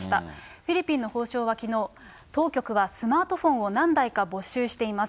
フィリピンの法相はきのう、当局はスマートフォンを何台か没収しています。